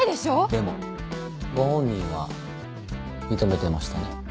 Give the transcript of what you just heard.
でもご本人は認めてましたね。